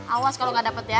awas kalo gak dapet ya